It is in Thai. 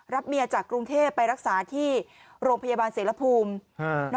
เมียจากกรุงเทพไปรักษาที่โรงพยาบาลเสรภูมิ